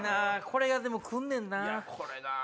これがでも来んねんな。